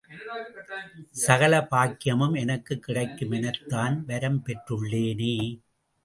சகல பாக்கியமும் எனக்குக் கிடைக்கும் எனத் தான் வரம்பெற்றுள்ளேனே!